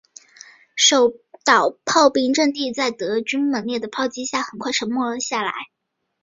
守岛炮兵阵地在德军猛烈的炮击下很快沉默下来。